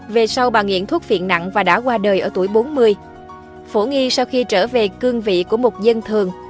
về sau bà nghiện thuốc phiện nặng và đã qua đời ở tuổi bốn mươi phổ nghi sau khi trở về cương vị của một dân thường